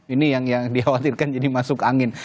ini yang dikhawatirkan jadi masuk angin